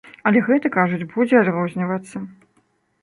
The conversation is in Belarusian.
Але гэты, кажуць, будзе адрознівацца.